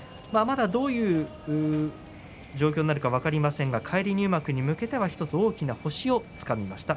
どういう状況になるか分かりませんが返り入幕に向けて大きな星をつかみました。